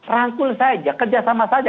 rangkul saja kerja sama saja